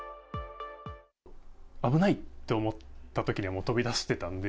危ないって思ったときには、もう飛び出してたんで。